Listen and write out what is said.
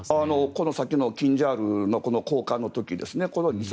この先のキンジャールの交換の時ですね。